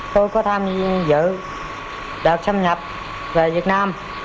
tôi có tham dự đợt xâm nhập về việt nam